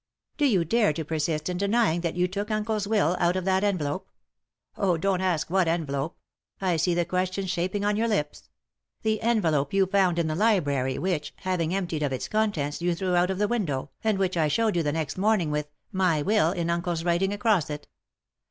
" Do you dare to persist in denying that you took uncle's Till out of that envelope ?— Oh, don't ask what envelope ; I see the question's shaping on your lips— the envelope you found in the library, which, having emptied of its contents, you threw out of the window, and which I showed you the next morning, with 'My Will ' in uncle's writing across it."